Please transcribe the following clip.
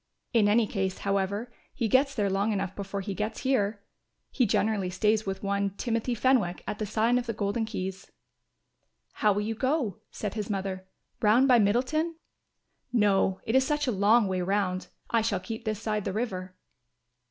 In any case, however, he gets there long enough before he gets here. He generally stays with one, Timothy Fenwick, at the sign of the Golden Keys." "How will you go," said his mother, "round by Middleton?" "No, it is such a long way round; I shall keep this side the river."